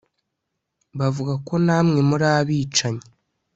bavuga ko namwe muri abicanyi